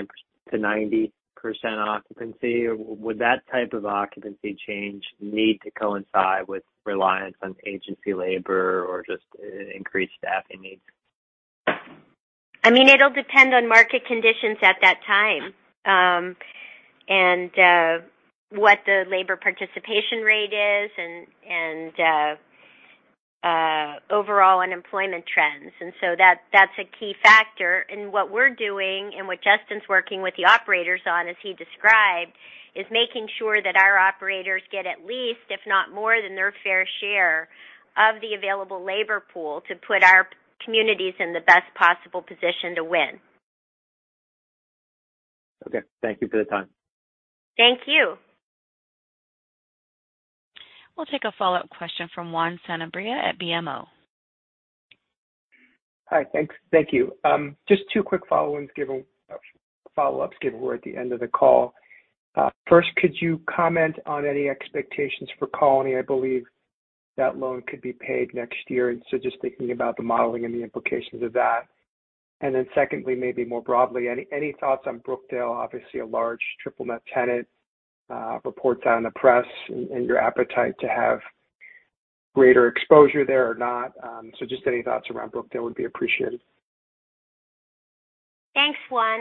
occupancy? Would that type of occupancy change need to coincide with reliance on agency labor or just increased staffing needs? I mean, it'll depend on market conditions at that time, and what the labor participation rate is and overall unemployment trends. That's a key factor in what we're doing and what Justin's working with the operators on, as he described, is making sure that our operators get at least, if not more than their fair share of the available labor pool to put our communities in the best possible position to win. Okay, thank you for the time. Thank you. We'll take a follow-up question from Juan Sanabria at BMO. Hi. Thanks. Thank you. Just two quick follow-ups, given we're at the end of the call. First, could you comment on any expectations for Colony? I believe that loan could be paid next year, and so just thinking about the modeling and the implications of that. Secondly, maybe more broadly, any thoughts on Brookdale? Obviously, a large triple net tenant, reports in the press and your appetite to have greater exposure there or not. Just any thoughts around Brookdale would be appreciated. Thanks, Juan.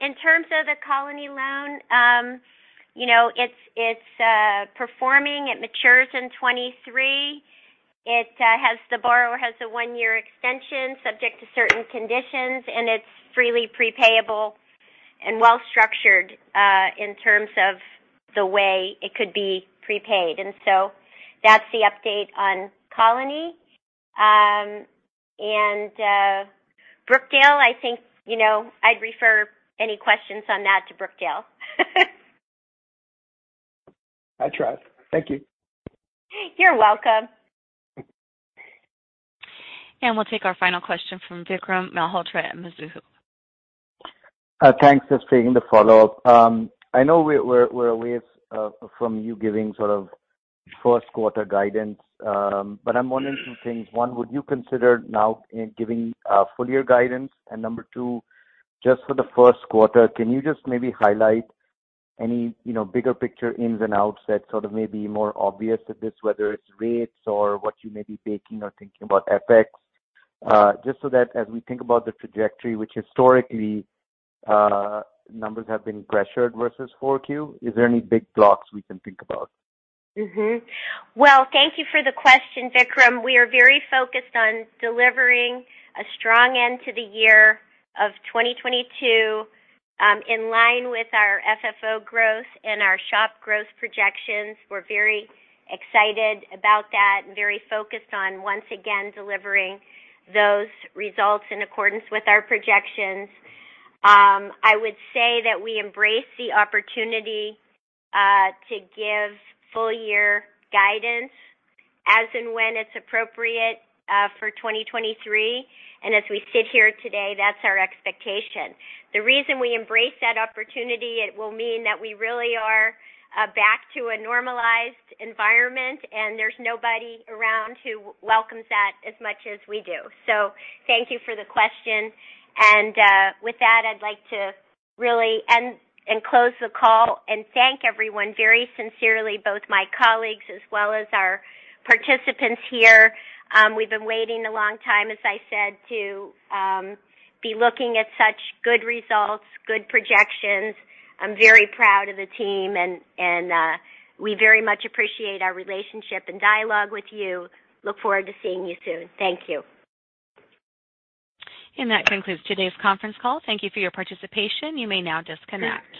In terms of the Colony loan, you know, it's performing. It matures in 2023. The borrower has a one-year extension subject to certain conditions, and it's freely prepayable and well-structured in terms of the way it could be prepaid. That's the update on Colony. Brookdale, I think, you know, I'd refer any questions on that to Brookdale. I trust. Thank you. You're welcome. We'll take our final question from Vikram Malhotra at Mizuho. Thanks for taking the follow-up. I know we're a ways from you giving sort of first quarter guidance, but I'm wondering two things. One, would you consider now giving full year guidance? And number two, just for the first quarter, can you just maybe highlight any, you know, bigger picture ins and outs that sort of may be more obvious at this, whether it's rates or what you may be baking or thinking about FX? Just so that as we think about the trajectory, which historically, numbers have been pressured versus Q4, is there any big blocks we can think about? Well, thank you for the question, Vikram. We are very focused on delivering a strong end to the year of 2022, in line with our FFO growth and our SHOP growth projections. We're very excited about that and very focused on, once again, delivering those results in accordance with our projections. I would say that we embrace the opportunity to give full year guidance as and when it's appropriate for 2023. As we sit here today, that's our expectation. The reason we embrace that opportunity, it will mean that we really are back to a normalized environment, and there's nobody around who welcomes that as much as we do. Thank you for the question. With that, I'd like to really end and close the call and thank everyone very sincerely, both my colleagues as well as our participants here. We've been waiting a long time, as I said, to be looking at such good results, good projections. I'm very proud of the team and we very much appreciate our relationship and dialogue with you. Look forward to seeing you soon. Thank you. That concludes today's conference call. Thank you for your participation. You may now disconnect.